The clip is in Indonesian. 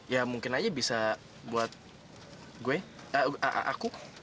ya mungkin aja bisa buat gue aku